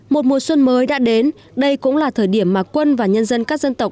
một mùa xuân mới đã đến đây cũng là thời điểm mà quân và nhân dân các dân tộc